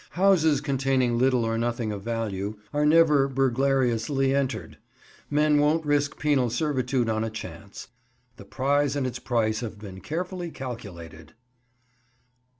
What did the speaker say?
Houses containing little or nothing of value are never burglariously entered. Men won't risk penal servitude on a chance; the prize and its price have been carefully calculated.